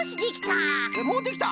えっもうできた？